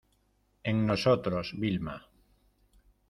en nosotros, Vilma.